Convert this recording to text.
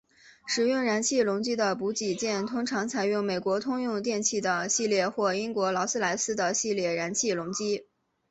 使用燃气轮机的补给舰通常采用美国通用电气的系列或英国劳斯莱斯的系列燃气轮机。